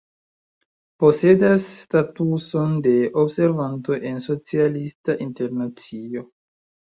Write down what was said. Posedas statuson de observanto en Socialista Internacio.